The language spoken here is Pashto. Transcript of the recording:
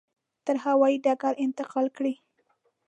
تر هوایي ډګره انتقال کړي.